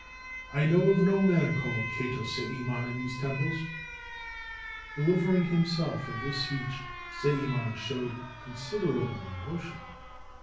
'I know of no man called Kato Sayemon in these temples/ Delivering himself of this speech, Sayemon showed considerable emotion.